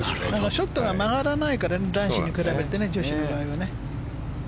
ショットが曲がらないから男子に比べて女子の場合は。